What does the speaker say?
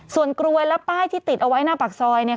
ส่วนกรวยและป้ายที่ติดเอาไว้หน้าปากซอย